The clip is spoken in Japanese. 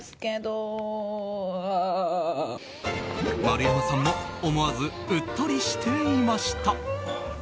丸山さんも思わずうっとりしていました。